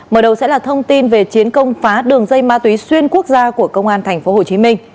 mở đầu sẽ là thông tin về chiến công phá đường dây ma túy xuyên quốc gia của công an tp hcm